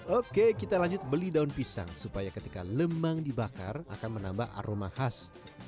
oke kita lanjut beli daun pisang supaya ketika lemang dibakar akan menambah aroma khas